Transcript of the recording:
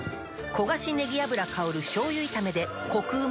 焦がしねぎ油香る醤油炒めでコクうま